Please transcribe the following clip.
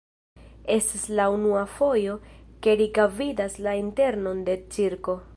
Estas la unua fojo, ke Rika vidas la internon de cirko.